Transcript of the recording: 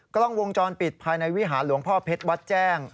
กล้องวงจรปิดภายในวิหารหลวงพ่อเพชรวัดแจ้ง